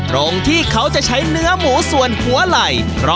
ตรงที่เขาจะใช้เนื้อหมูส่วนหัวไหล่